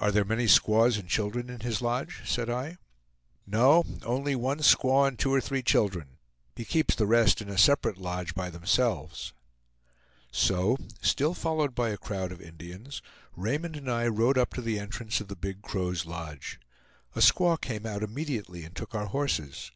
"Are there many squaws and children in his lodge?" said I. "No; only one squaw and two or three children. He keeps the rest in a separate lodge by themselves." So, still followed by a crowd of Indians, Raymond and I rode up to the entrance of the Big Crow's lodge. A squaw came out immediately and took our horses.